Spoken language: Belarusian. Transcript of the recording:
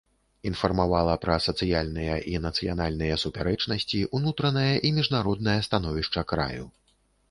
Інфармавала пра сацыяльныя і нацыянальныя супярэчнасці, унутранае і міжнароднае становішча краю.